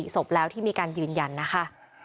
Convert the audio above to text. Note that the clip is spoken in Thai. ศพแล้วที่มีการยืนยันนะคะ